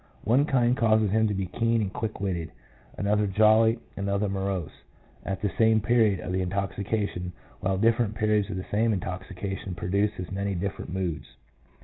One kind causes him to be keen and quick witted, another jolly, another morose, at the same period of the intoxication ; while different periods of the same intoxication produce as many different moods.